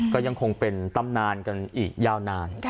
ก็ยังคงเป็นตำนานกันอีกยาวนาน